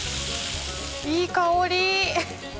いい香り。